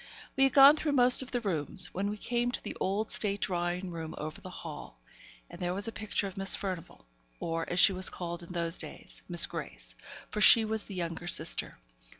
We had gone through most of the rooms, when we came to the old state drawing room over the hall, and there was a picture of Miss Furnivall; or, as she was called in those days, Miss Grace, for she was the younger sister.